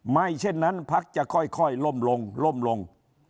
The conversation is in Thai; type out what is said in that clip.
ไม่เช่นนั้นพรรคจะค่อยค่อยล่มลงล่มลง